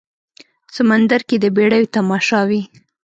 سمندر کې د بیړیو تماشا وي